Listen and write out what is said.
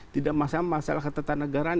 tidak paham masalah ketatanegaraan